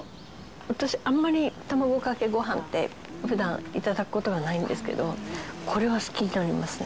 私あんまりたまごかけご飯って普段頂く事がないんですけどこれは好きになりますね。